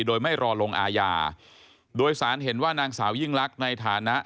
โดยไม่รอลงอาญาโดยสารเห็นว่านางสาวยิ่งลักษณ์ในฐานะ